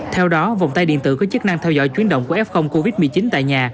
theo đó vòng tay điện tử có chức năng theo dõi chuyến động của f covid một mươi chín tại nhà